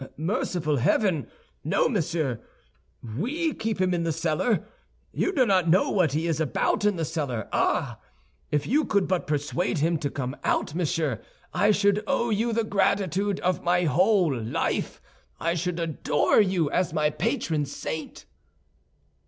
"Merciful heaven! No, monsieur! We keep him in the cellar! You do not know what he is about in the cellar. Ah! If you could but persuade him to come out, monsieur, I should owe you the gratitude of my whole life; I should adore you as my patron saint!"